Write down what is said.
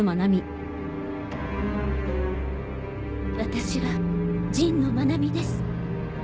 私は神野愛美です。